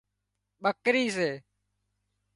ٻڪرِي سي